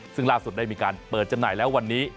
ซึ่งล่าสุดได้มีการเปิดจำหน่ายแล้ววันนี้